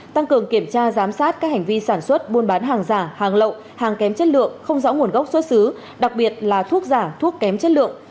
tăng cường kiểm tra giám sát các hành vi sản xuất buôn bán hàng giả hàng lậu hàng kém chất lượng không rõ nguồn gốc xuất xứ đặc biệt là thuốc giả thuốc kém chất lượng